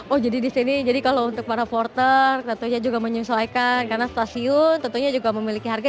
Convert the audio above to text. oh jadi di sini jadi kalau untuk para porter tentunya juga menyesuaikan karena stasiun tentunya juga memiliki harga